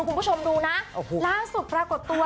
คุณผู้ชมดูนะล่าสุดปรากฏตัว